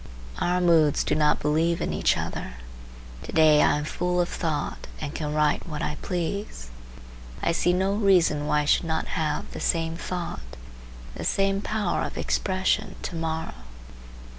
Our moods do not believe in each other. To day I am full of thoughts and can write what I please. I see no reason why I should not have the same thought, the same power of expression, to morrow.